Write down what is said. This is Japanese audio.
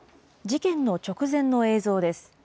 事件の直前の映像です。